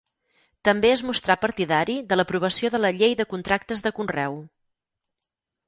També es mostrà partidari de l'aprovació de la Llei de Contractes de Conreu.